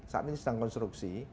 saat ini sedang konstruksi